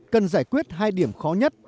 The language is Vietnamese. cần giải quyết hai điểm khó nhất